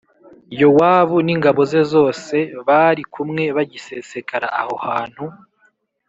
Yowabu n’ingabo ze zose bari kumwe bagisesekara aho hantu